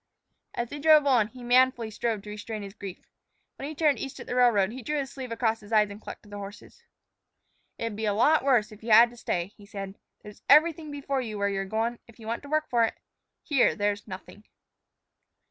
As they drove on, he manfully strove to restrain his grief. When he turned east at the railroad, he drew his sleeve across his eyes and clucked to the horse. "It'd be a lot worse if you had to stay," he said. "There's everything before you where you're goin', if you want to work for it. Here there's nothing."